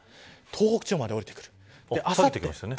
東北地方まで降りてくる。